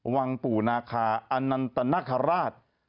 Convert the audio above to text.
วังปู่นาคาอนันตนาคาราช